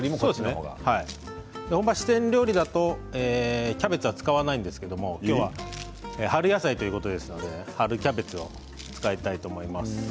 本場、四川料理だとキャベツは使わないんですけれど今日は春野菜ということで春キャベツを使いたいと思います。